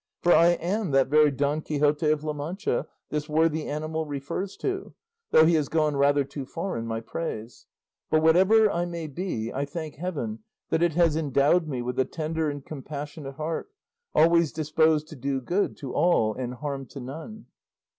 For I am that very Don Quixote of La Mancha this worthy animal refers to, though he has gone rather too far in my praise; but whatever I may be, I thank heaven that it has endowed me with a tender and compassionate heart, always disposed to do good to all and harm to none."